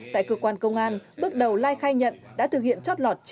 tại cơ quan công an bước đầu lai khai nhận đã thực hiện chót lọt